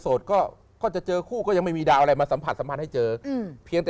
สนุกนาน